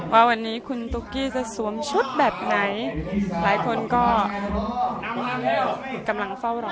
ว่าวันนี้คุณตุ๊กกี้จะสวมชุดแบบไหนหลายคนก็กำลังเฝ้ารอ